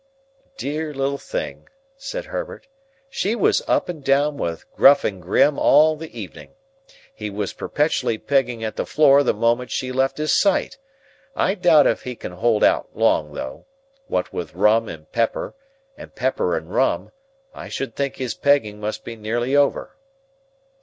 "Dear little thing!" said Herbert. "She was up and down with Gruffandgrim all the evening. He was perpetually pegging at the floor the moment she left his sight. I doubt if he can hold out long, though. What with rum and pepper,—and pepper and rum,—I should think his pegging must be nearly over."